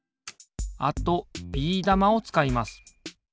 あとビー玉をつかいます。